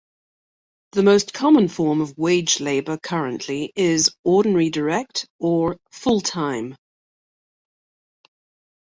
The most common form of wage labour currently is ordinary direct, or "full-time".